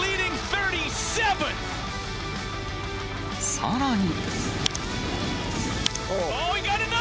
さらに。